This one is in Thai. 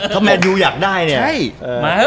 ถ้าแมนยูอยากได้เนี่ย